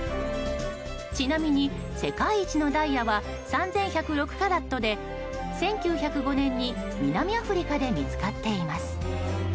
ちなみに、世界一のダイヤは３１０６カラットで１９０５年に南アフリカで見つかっています